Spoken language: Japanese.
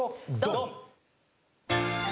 ドン！